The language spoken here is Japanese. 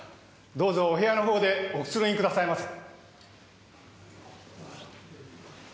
どうぞお部屋のほうでおくつろぎくださいませ。